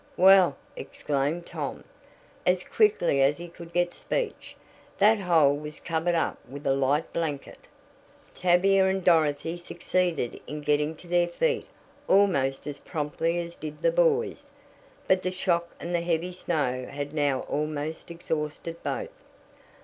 "Well," exclaimed Tom, as quickly as he could get speech, "that hole was covered up with a light blanket." Tavia and Dorothy succeeded in getting to their feet almost as promptly as did the boys, but the shock and the heavy snow had now almost exhausted both.